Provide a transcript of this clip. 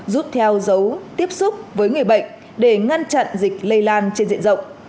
giúp theo dấu tiếp xúc với người bệnh để ngăn chặn dịch lây lan trên diện rộng